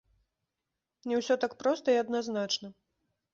Не ўсё так проста і адназначна.